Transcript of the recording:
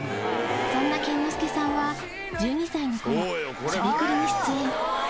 そんな健之介さんは、１２歳のころ、しゃべくりに出演。